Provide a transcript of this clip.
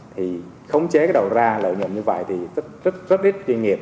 thì khống chế cái đầu ra lợi nhuận như vậy thì rất ít doanh nghiệp